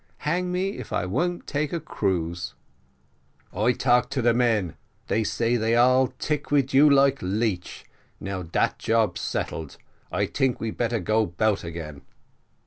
Hang me if I won't take a cruise." "I talk to the men, they say thay all tick to you like leech. Now dat job settled, I tink we better go 'bout again."